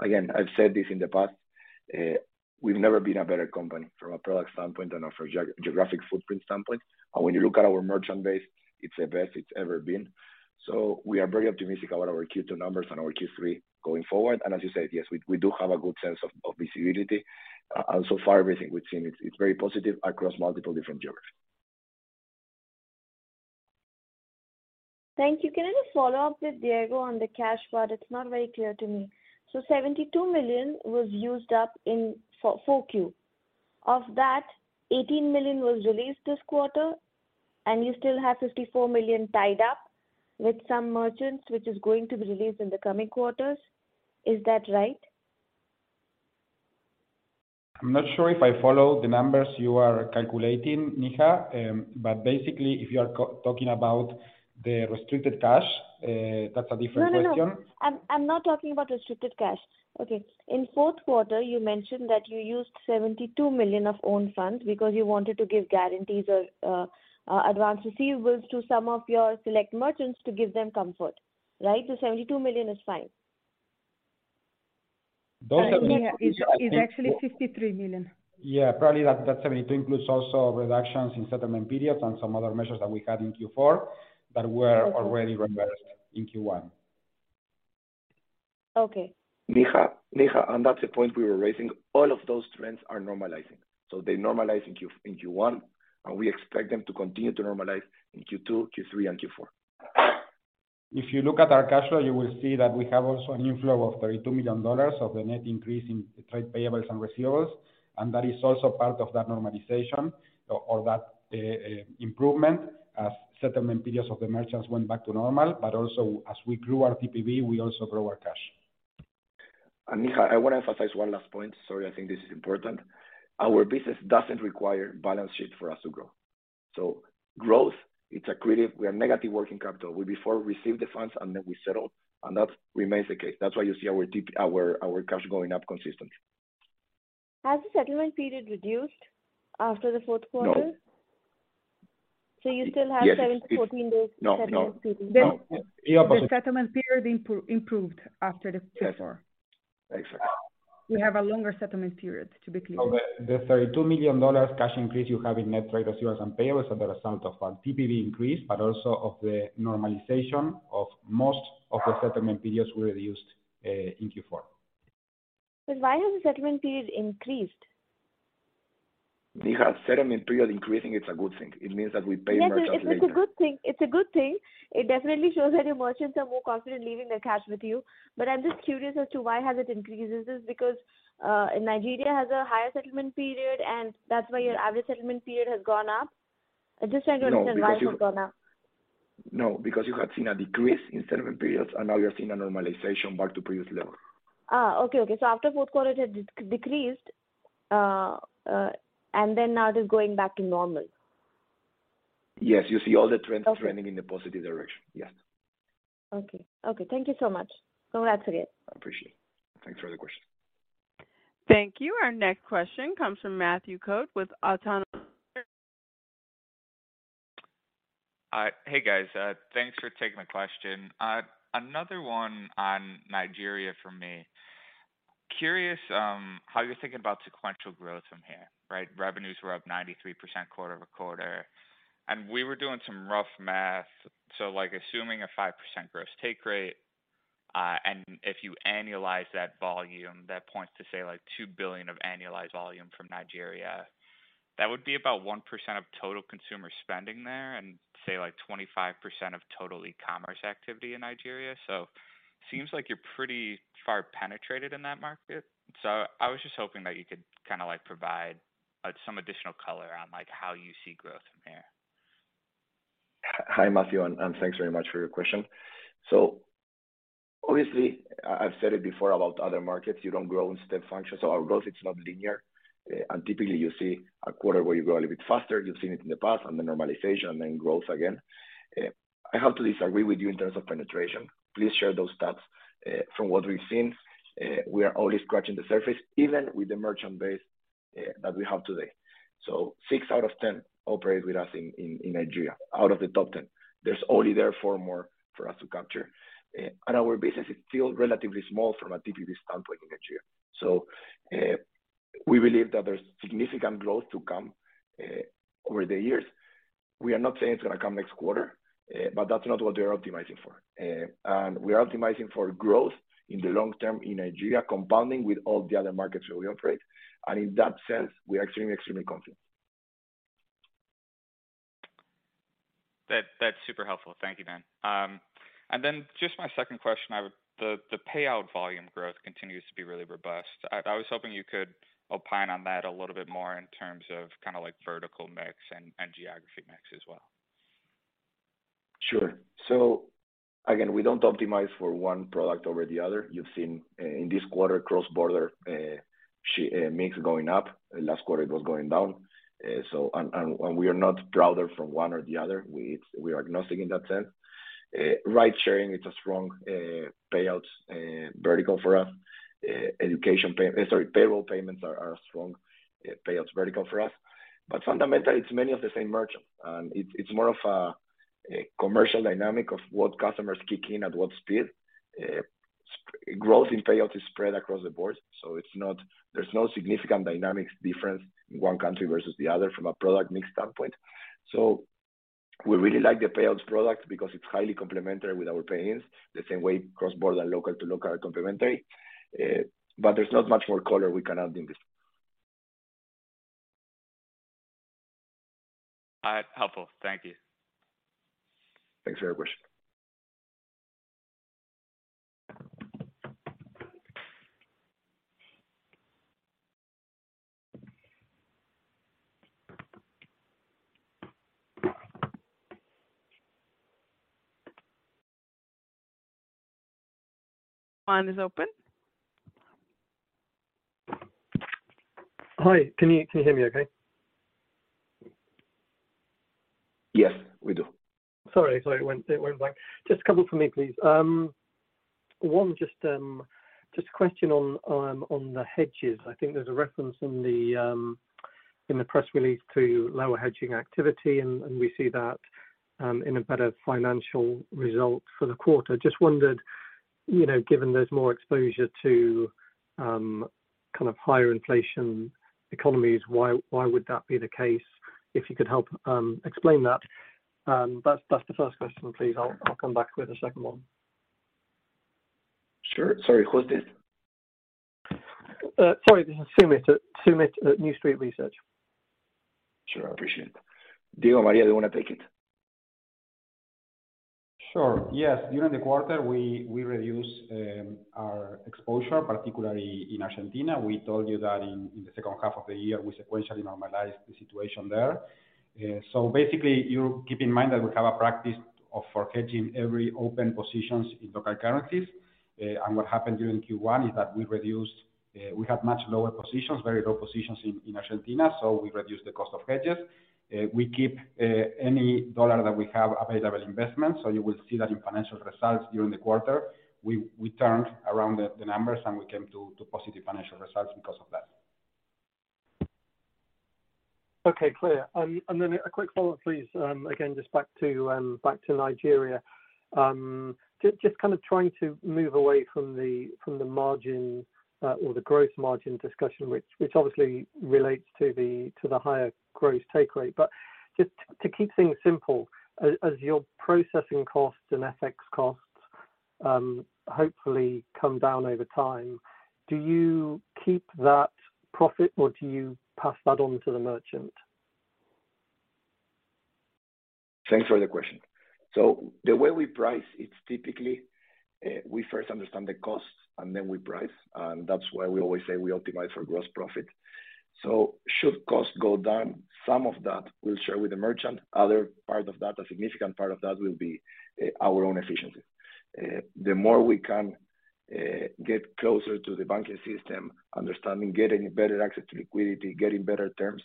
Again, I've said this in the past, we've never been a better company from a product standpoint and a geographic footprint standpoint. When you look at our merchant base, it's the best it's ever been. We are very optimistic about our Q2 numbers and our Q3 going forward. As you said, yes, we do have a good sense of visibility. So far, everything we've seen it's very positive across multiple different geographies. Thank you. Can I just follow up with Diego on the cash part? It's not very clear to me. $72 million was used up in 4Q. Of that, $18 million was released this quarter, and you still have $54 million tied up with some merchants, which is going to be released in the coming quarters. Is that right? I'm not sure if I follow the numbers you are calculating, Neha, but basically, if you are talking about the restricted cash, that's a different question. No, no. I'm not talking about restricted cash. Okay. In fourth quarter, you mentioned that you used $72 million of own funds because you wanted to give guarantees or advanced receivables to some of your select merchants to give them comfort, right? The $72 million is fine. Those $72 million. Neha, it's actually $53 million. Yeah. Probably that 72 includes also reductions in settlement periods and some other measures that we had in Q4. Okay. already reversed in Q1. Okay. Neha, that's the point we were raising. All of those trends are normalizing. They normalize in Q1, and we expect them to continue to normalize in Q2, Q3 and Q4. If you look at our cash flow, you will see that we have also a new flow of $32 million of the net increase in trade payables and receivables. That is also part of that normalization or that improvement as settlement periods of the merchants went back to normal. Also, as we grew our TPV, we also grow our cash. Neha, I wanna emphasize one last point. Sorry, I think this is important. Our business doesn't require balance sheet for us to grow. Growth, it's accretive. We are negative working capital. We before receive the funds, and then we settle, and that remains the case. That's why you see our cash going up consistently. Has the settlement period reduced after the fourth quarter? No. You still have seven-14 days... Yes. settlement period? No, no. No. Yeah. The settlement period improved after the Q4. Yes. Exactly. We have a longer settlement period, to be clear. The $32 million cash increase you have in net trade receivables and payables are the result of our TPV increase, but also of the normalization of most of the settlement periods we reduced in Q4. Why has the settlement period increased? Neha, settlement period increasing, it's a good thing. It means that we pay our merchants later. Yes, it's a good thing. It's a good thing. It definitely shows that your merchants are more confident leaving their cash with you. I'm just curious as to why has it increased? Is this because Nigeria has a higher settlement period, and that's why your average settlement period has gone up? I'm just trying to understand why it has gone up. No, because you had seen a decrease in settlement periods, and now you're seeing a normalization back to previous level. Okay. Okay. After fourth quarter it had decreased, and then now it is going back to normal. Yes. You see all the trends- Okay. trending in the positive direction. Yes. Okay. Okay. Thank you so much. Congrats again. Appreciate it. Thanks for the question. Thank you. Our next question comes from [Soomit Datta] with Autonomous Research. Hey, guys. Thanks for taking the question. Another one on Nigeria for me. Curious, how you're thinking about sequential growth from here, right? Revenues were up 93% quarter-over-quarter, and we were doing some rough math. Like, assuming a 5% gross take rate, and if you annualize that volume, that points to, say, like, $2 billion of annualized volume from Nigeria. That would be about 1% of total consumer spending there and, say, like, 25% of total e-commerce activity in Nigeria. Seems like you're pretty far penetrated in that market. I was just hoping that you could kinda like provide some additional color on, like, how you see growth from here. Hi, Soomit, thanks very much for your question. Obviously, I've said it before about other markets, you don't grow in step function. Our growth, it's not linear. Typically you see a quarter where you grow a little bit faster, you've seen it in the past, then normalization, then growth again. I have to disagree with you in terms of penetration. Please share those stats. From what we've seen, we are only scratching the surface, even with the merchant base that we have today. 6 out of 10 operate with us in Nigeria, out of the top 10. There's only therefore more for us to capture. Our business is still relatively small from a TPV standpoint in Nigeria. We believe that there's significant growth to come over the years. We are not saying it's gonna come next quarter, but that's not what we are optimizing for. We are optimizing for growth in the long term in Nigeria, compounding with all the other markets where we operate. In that sense, we are extremely confident. That's super helpful. Thank you, man. Then just my second question. The payout volume growth continues to be really robust. I was hoping you could opine on that a little bit more in terms of kinda like vertical mix and geography mix as well. Sure. Again, we don't optimize for one product over the other. You've seen in this quarter cross-border mix going up. Last quarter it was going down. We are not prouder from one or the other. We are agnostic in that sense. Ride sharing is a strong payouts vertical for us. Sorry, payroll payments are a strong payouts vertical for us. Fundamentally, it's many of the same merchant, and it's more of a commercial dynamic of what customers kick in at what speed. Growth in payout is spread across the board, so there's no significant dynamics difference in one country versus the other from a product mix standpoint. We really like the payouts product because it's highly complementary with our pay-ins, the same way cross-border and local-to-local are complementary. There's not much more color we can add in this point. Helpful. Thank you. Thanks for your question. Line is open. Hi. Can you hear me okay? Yes, we do. Sorry. It went blank. Just a couple from me, please. One just a question on the hedges. I think there's a reference in the press release to lower hedging activity, and we see that in a better financial result for the quarter. Just wondered, you know, given there's more exposure to kind of higher inflation economies, why would that be the case? If you could help explain that. That's the first question, please. I'll come back with a second one. Sure. Sorry, who is this? Sorry. This is Sumit. Sumit at New Street Research. Sure. I appreciate it. Diego, Maria, do you wanna take it? Sure. Yes. During the quarter, we reduced our exposure, particularly in Argentina. We told you that in the second half of the year we sequentially normalized the situation there. Basically you keep in mind that we have a practice of for hedging every open positions in local currencies. What happened during Q1 is that we have much lower positions, very low positions in Argentina, we reduced the cost of hedges. We keep any dollar that we have available investment. You will see that in financial results during the quarter. We turned around the numbers, we came to positive financial results because of that. Okay. Clear. A quick follow-up please, again, just back to Nigeria. Just kind of trying to move away from the margin, or the growth margin discussion, which obviously relates to the higher gross take rate. Just to keep things simple, as your processing costs and FX costs, hopefully come down over time, do you keep that profit, or do you pass that on to the merchant? Thanks for the question. The way we price, it's typically, we first understand the costs, and then we price. That's why we always say we optimize for Gross Profit. Should costs go down, some of that we'll share with the merchant. Other part of that, a significant part of that will be our own efficiency. The more we can get closer to the banking system, understanding, getting better access to liquidity, getting better terms,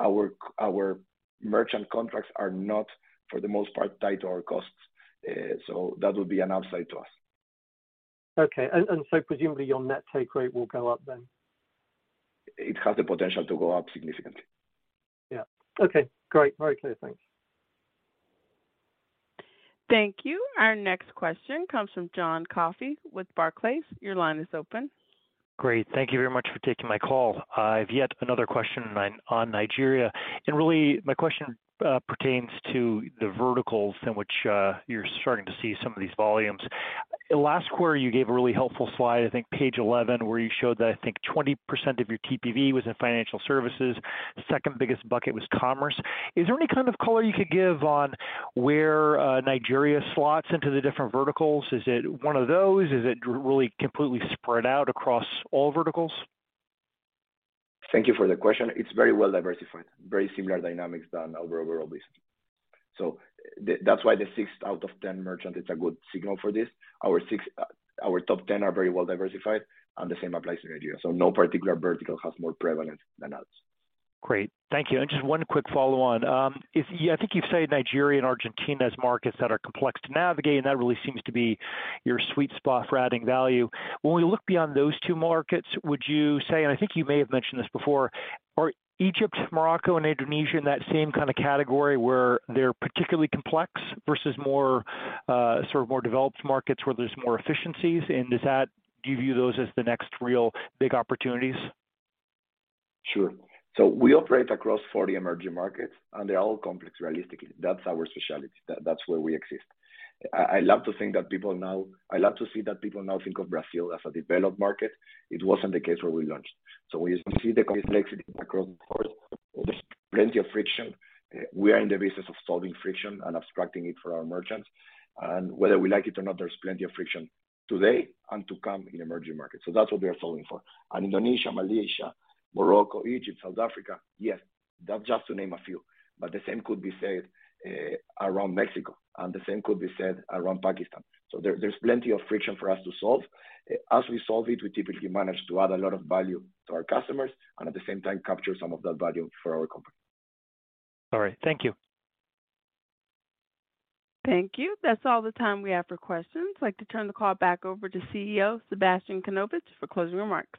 our merchant contracts are not, for the most part, tied to our costs. That would be an upside to us. Okay. Presumably your net take rate will go up then? It has the potential to go up significantly. Yeah. Okay. Great. Very clear. Thanks. Thank you. Our next question comes from John Coffey with Barclays. Your line is open. Great. Thank you very much for taking my call. I've yet another question on Nigeria. Really my question pertains to the verticals in which you're starting to see some of these volumes. Last quarter, you gave a really helpful slide, I think page 11, where you showed that I think 20% of your TPV was in financial services. The second biggest bucket was commerce. Is there any kind of color you could give on where Nigeria slots into the different verticals? Is it one of those? Is it really completely spread out across all verticals? Thank you for the question. It's very well diversified. Very similar dynamics than our overall business. That's why the sixth out of 10 merchant is a good signal for this. Our top 10 are very well diversified, and the same applies to Nigeria, so no particular vertical has more prevalence than others. Great. Thank you. Just one quick follow on. I think you've said Nigeria and Argentina as markets that are complex to navigate, and that really seems to be your sweet spot for adding value. When we look beyond those two markets, would you say, and I think you may have mentioned this before, are Egypt, Morocco and Indonesia in that same kind of category where they're particularly complex versus more, sort of more developed markets where there's more efficiencies? Do you view those as the next real big opportunities? Sure. We operate across 40 emerging markets, they're all complex realistically. That's our specialty. That's where we exist. I love to think that people now... I love to see that people now think of Brazil as a developed market. It wasn't the case when we launched. We see the complexity across the board. There's plenty of friction. We are in the business of solving friction and abstracting it for our merchants. Whether we like it or not, there's plenty of friction today and to come in emerging markets. That's what we are solving for. Indonesia, Malaysia, Morocco, Egypt, South Africa, yes. That's just to name a few. The same could be said around Mexico, the same could be said around Pakistan. There's plenty of friction for us to solve. As we solve it, we typically manage to add a lot of value to our customers and at the same time capture some of that value for our company. All right. Thank you. Thank you. That's all the time we have for questions. I'd like to turn the call back over to CEO Sebastián Kanovich for closing remarks.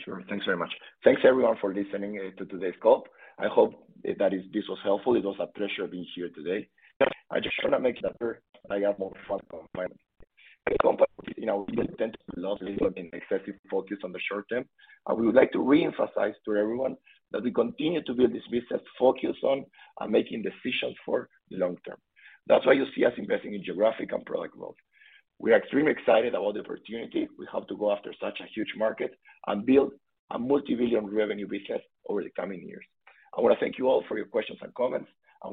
Sure. Thanks very much. Thanks, everyone, for listening to today's call. I hope this was helpful. It was a pleasure being here today. I just wanna make sure I got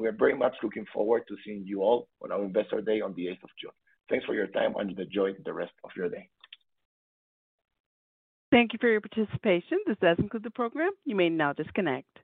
more